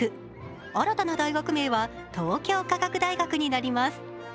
新たな大学名は東京科学大学になります。